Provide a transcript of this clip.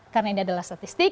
karena ini adalah statistik